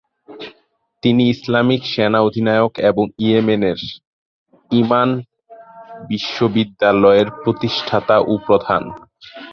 তিনি ইসলামিক সেনা-অধিনায়ক এবং ইয়েমেনের ঈমান বিশ্ববিদ্যালয়ের প্রতিষ্ঠাতা ও প্রধান।